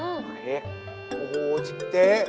เค้กโอ้โฮเจ๊